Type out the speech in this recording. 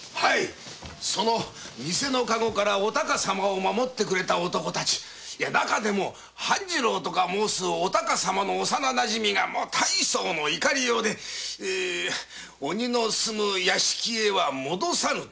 そのニセのカゴからお孝様を守ってくれた男たち中でも半次郎と申すお孝様の幼なじみが大層の怒りようで鬼の住む屋敷へは戻さぬと。